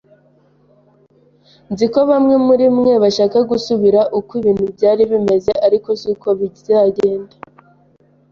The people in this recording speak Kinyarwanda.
Nzi ko bamwe muri mwe bashaka gusubira uko ibintu byari bimeze, ariko siko bizagenda.